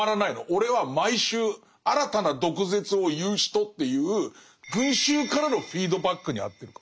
俺は毎週新たな毒舌を言う人っていう群衆からのフィードバックにあってく。